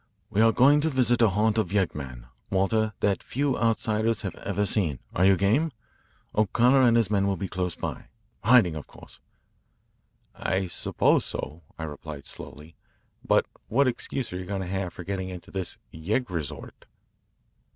"We are going to visit a haunt of yeggmen, Walter, that few outsiders have ever seen. Are you game? O'Connor and his men will be close by hiding, of course." "I suppose so, I replied slowly. But what excuse are you going to have for getting into this yegg resort?"